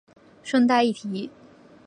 顺带一提